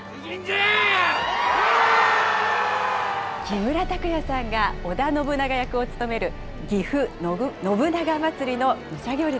木村拓哉さんが織田信長役を務める、ぎふ信長まつりの武者行列。